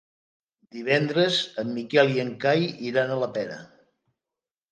Divendres en Miquel i en Cai iran a la Pera.